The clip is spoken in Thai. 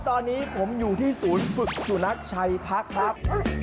ตอนนี้ผมอยู่ที่ศูนย์ฝึกสุนัขชัยพักครับ